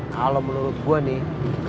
kalo menurut gue nih